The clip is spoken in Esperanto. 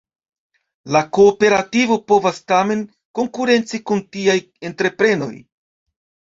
La kooperativo povas tamen konkurenci kun tiaj entreprenoj.